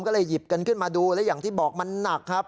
ก็เลยหยิบกันขึ้นมาดูและอย่างที่บอกมันหนักครับ